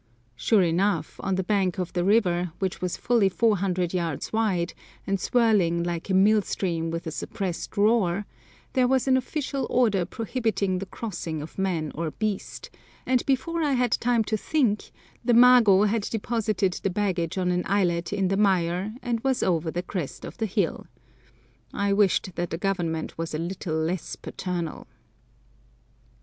Sure enough, on the bank of the river, which was fully 400 yards wide, and swirling like a mill stream with a suppressed roar, there was an official order prohibiting the crossing of man or beast, and before I had time to think the mago had deposited the baggage on an islet in the mire and was over the crest of the hill. I wished that the Government was a little less paternal.